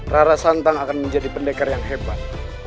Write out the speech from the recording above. rarasanta akan menjadi pendekar yang hebat